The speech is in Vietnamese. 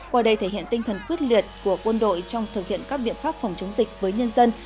qua đây thể hiện tinh thần quyết liệt của quân đội trong thực hiện các biện pháp phòng chống dịch với nhân dân